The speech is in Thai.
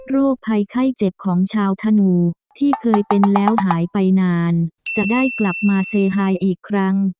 ภัยไข้เจ็บของชาวธนูที่เคยเป็นแล้วหายไปนานจะได้กลับมาเซไฮอีกครั้ง